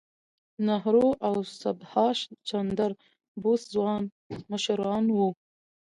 نهرو او سبهاش چندر بوس ځوان مشران وو.